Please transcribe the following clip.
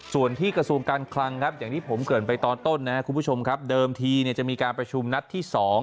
ส่วนที่กระทรวงการคลังครับอย่างที่ผมเกิดไปตอนต้นนะครับคุณผู้ชมครับเดิมทีจะมีการประชุมนัดที่๒